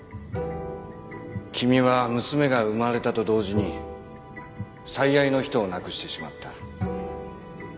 君は娘が生まれたと同時に最愛の人を亡くしてしまった。